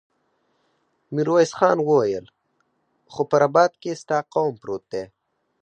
ميرويس خان وويل: خو په رباط کې ستا قوم پروت دی.